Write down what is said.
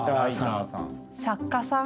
作家さん。